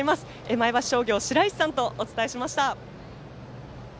前橋商業、しらいしさんとお伝えしました。